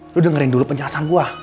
lu dengerin dulu penjelasan gua